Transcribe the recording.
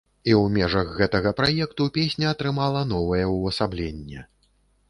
І ў межах гэтага праекту песня атрымала новае ўвасабленне.